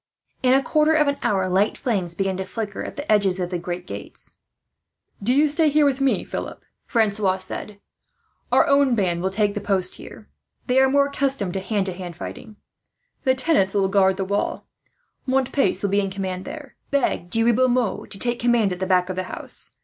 In a quarter of an hour, light flames began to flicker up at the edges of the great gates. "Do you stay here with me, Philip," Francois said. "Our own band will take post here. They are more accustomed to hand to hand fighting. The tenants will guard the wall. Montpace will be in command there. "Beg De Riblemont to take command at the back of the house.